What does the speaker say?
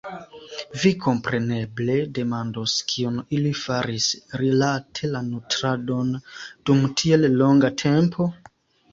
Vi kompreneble demandos, kion ili faris rilate la nutradon dum tiel longa tempo?